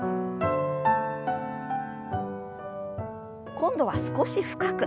今度は少し深く。